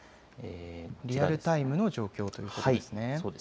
リアルタイムの状況ということですね。